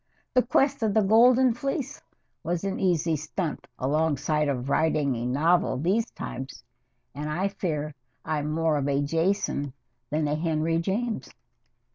The Quest of the Golden Fleece was an easy stunt alongside of writing a novel these times, and I fear I'm more of a Jason than a Henry James!"